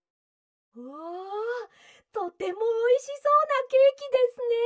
「わあとてもおいしそうなケーキですね！」。